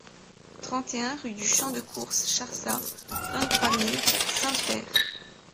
trente et un rue du Champ de Course Charsat, vingt-trois mille Sainte-Feyre